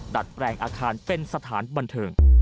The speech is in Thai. ดัดแปลงอาคารเป็นสถานบันเทิง